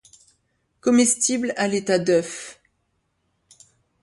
Comestible à l'état d'œuf.